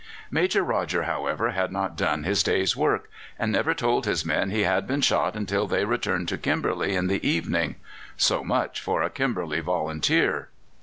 Major Rodger, however, had not done his day's work, and never told his men he had been shot until they returned to Kimberley in the evening. So much for a Kimberley volunteer!